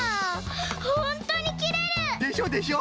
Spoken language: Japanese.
ほんとにきれる！でしょでしょ！